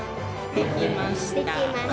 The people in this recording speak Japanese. できました！